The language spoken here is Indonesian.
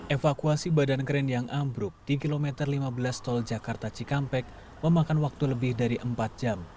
evakuasi badan kren yang ambruk di kilometer lima belas tol jakarta cikampek memakan waktu lebih dari empat jam